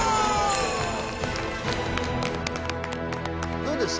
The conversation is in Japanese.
どうですか？